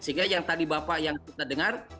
sehingga yang tadi bapak yang kita dengar